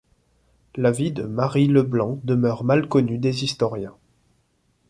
La vie de Marie Leblanc demeure mal connue des historiens.